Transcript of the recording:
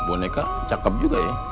boneka cakep juga ya